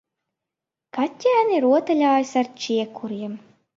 Kaķēni rotaļājas ar čiekuriem.